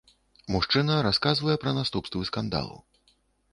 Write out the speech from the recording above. Мужчына расказвае пра наступствы скандалу.